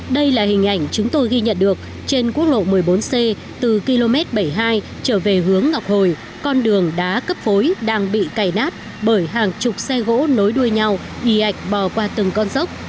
đây là hình ảnh chúng tôi ghi nhận được trên quốc lộ một mươi bốn c từ km bảy mươi hai trở về hướng ngọc hồi con đường đá cấp phối đang bị cày nát bởi hàng chục xe gỗ nối đuôi nhau ý ạch bò qua từng con dốc